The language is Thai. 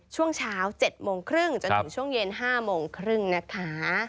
ช่วงเช้า๗โมงครึ่งจนถึงช่วงเย็น๕โมงครึ่งนะคะ